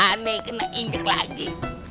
aneh kenal ini lagi